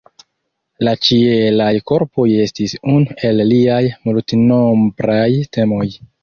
La ĉielaj korpoj estis unu el liaj multenombraj temoj.